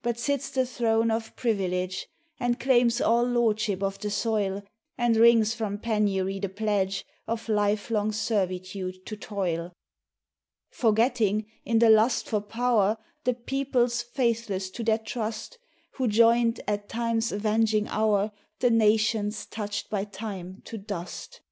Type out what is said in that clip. But sits the throne of privilege, And claims all lordship of the soil, And wrings from penury the pledge Of lifelong servitude to toil, Forgetting, in the lust for pow'r, The peoples faithless to their trust, Who joined, at Time's avenging hour, The nations touched by Time to dust.